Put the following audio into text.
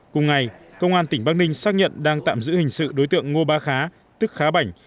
cùng ngày công an tỉnh bắc ninh xác nhận đang tạm giữ hình sự đối tượng ngô ba khá tức khá bảnh